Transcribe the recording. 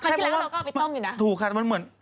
ครั้งที่แล้วเราก็เอาไปต้มอยู่์น่ะ